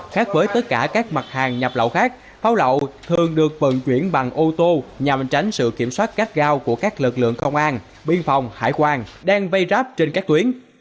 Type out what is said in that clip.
khác với tất cả các mặt hàng nhập lậu khác pháo lậu thường được vận chuyển bằng ô tô nhằm tránh sự kiểm soát các gao của các lực lượng công an biên phòng hải quan đang vây ráp trên các tuyến